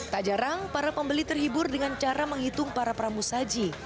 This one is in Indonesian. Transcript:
tak jarang para pembeli terhibur dengan cara menghitung para pramu saji